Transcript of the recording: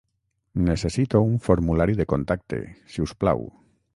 Necessito un formulari de contacte, si us plau.